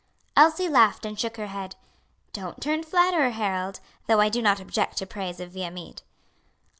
Elsie laughed and shook her head. "Don't turn flatterer, Harold; though I do not object to praise of Viamede."